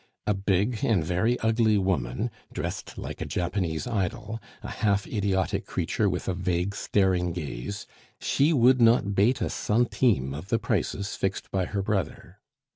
A big and very ugly woman, dressed like a Japanese idol, a half idiotic creature with a vague, staring gaze she would not bate a centime of the prices fixed by her brother.